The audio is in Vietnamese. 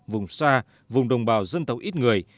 vùng xa vùng đồng bào dân tộc ít người